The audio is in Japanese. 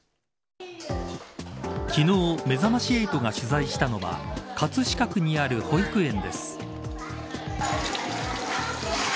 昨日めざまし８が取材したのは葛飾区にある保育園です。